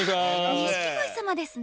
錦鯉様ですね。